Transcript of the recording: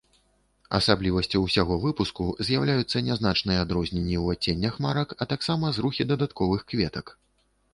Асаблівасцю ўсяго выпуску з'яўляюцца нязначныя адрозненні ў адценнях марак, а таксама зрухі дадатковых кветак.